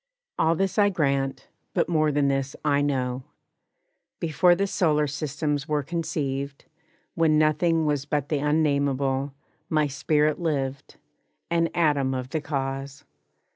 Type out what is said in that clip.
All this I grant, but more than this I know! Before the solar systems were conceived, When nothing was but the unnamable, My spirit lived, an atom of the Cause.